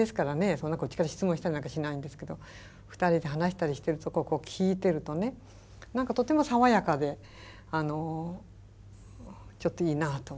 そんなこっちから質問したりなんかしないんですけど２人で話したりしてるとこをこう聞いてるとね何かとても爽やかでちょっといいなと思いましたね。